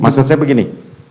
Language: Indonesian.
maksud saya begini